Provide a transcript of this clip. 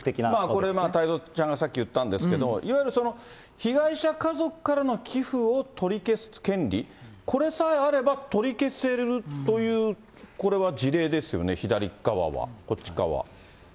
これ、太蔵ちゃんがさっき言ったんですけど、いわゆる被害者家族からの寄付を取り消す権利、これさえあれば取り消せるという、これは事例ですよね、左側は、こっち側。